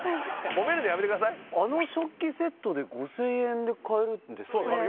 １個あの食器セットで５０００円で買えるんですかそうそう